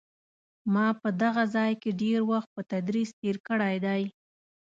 ما په دغه ځای کې ډېر وخت په تدریس تېر کړی دی.